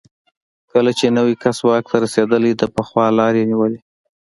کله چې نوی کس واک ته رسېدلی، د پخواني لار یې نیولې.